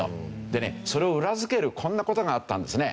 でねそれを裏付けるこんな事があったんですね。